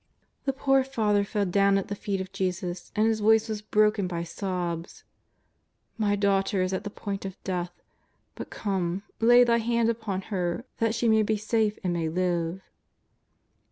The poor father fell down at the feet of Jesus, and his voice was broken by sobs :" My daughter is at the point of death, but come, lay Thy hand upon her that she may be safe and may live."